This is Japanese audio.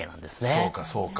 そうかそうか。